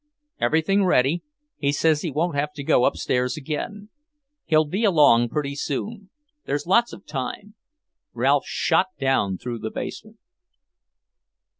"Everything ready. He says he won't have to go upstairs again. He'll be along pretty soon. There's lots of time." Ralph shot down through the basement.